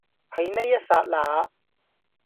喺呢一剎那